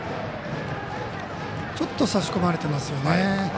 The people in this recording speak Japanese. ちょっと差し込まれてますよね。